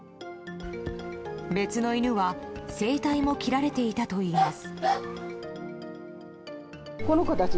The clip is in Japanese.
別の犬は声帯も切られていたといいます。